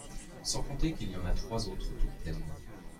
Sans compter qu’il y en a trois autres toutes pleines…